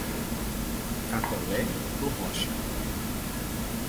Catolé do Rocha